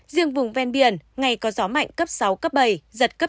riêng vùng ven biển ngày có gió mạnh cấp sáu cấp bảy giật cấp chín